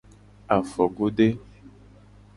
Afogode.